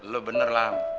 lu bener lah